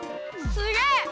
すげえ！